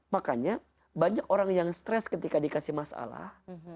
makanya banyak orang yang stres ketika dikasih masalah